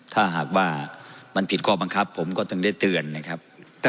ถ้าหากว่ามันผิดข้อบังคับผมก็จึงได้เตือนนะครับ